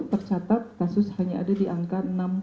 tercatat kasus hanya ada di angka enam puluh